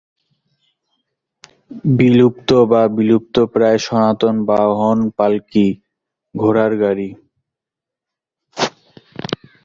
বিলুপ্ত বা বিলুপ্তপ্রায় সনাতন বাহন পালকি, ঘোড়ার গাড়ি।